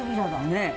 ねえ。